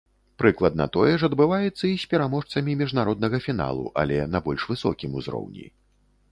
Прыкладна тое ж адбываецца і з пераможцамі міжнароднага фіналу, але на больш высокім узроўні.